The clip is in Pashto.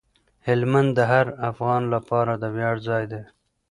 هلمند د هر افغان لپاره د ویاړ ځای دی.